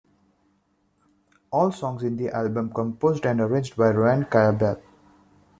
All songs in the album composed and arranged by Ryan Cayabyab.